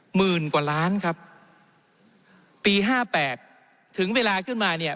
หมื่นกว่าล้านครับปีห้าแปดถึงเวลาขึ้นมาเนี่ย